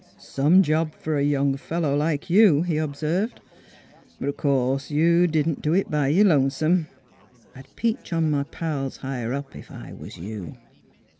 " Some job fer a young feller like you," he ob served. " But o' course you didn't do it b' your lonesome. I'd peach on m' pals higher up, if I was you."